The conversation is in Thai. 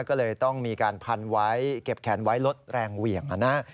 ก็เลยต้องมีการพันไว้เก็บแขนไว้ลดแรงเหวี่ยง